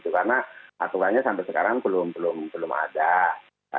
karena aturannya sampai sekarang belum ada